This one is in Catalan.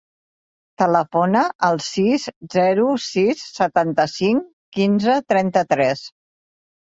Telefona al sis, zero, sis, setanta-cinc, quinze, trenta-tres.